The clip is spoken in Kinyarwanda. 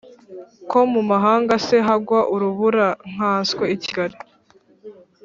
Ko mu mahanga se hagwa urubura nkanswe ikigali